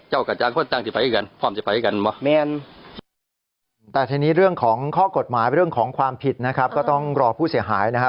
หมายไปเรื่องของความผิดนะครับก็ต้องรอผู้เสียหายนะครับ